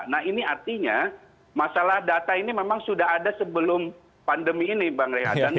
nah ini artinya masalah data ini memang sudah ada sebelum pandemi ini bang rehat